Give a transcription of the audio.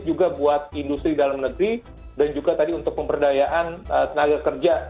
juga buat industri dalam negeri dan juga tadi untuk pemberdayaan tenaga kerja